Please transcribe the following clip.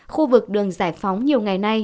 khu vực đường giải phóng nhiều ngày nay